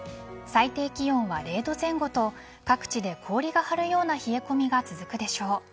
最低気温は０度前後と各地で氷が張るような冷え込みが続くでしょう。